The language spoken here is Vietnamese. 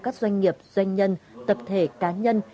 các doanh nghiệp doanh nhân tập thể cá nhân